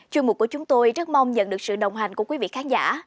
chương mục của chúng tôi rất mong nhận được sự đồng hành của quý vị khán giả